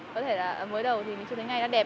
có thể là mới đầu thì mình chưa thấy ngay nó đẹp